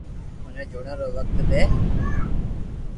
مني جوڻيا رو وقت دي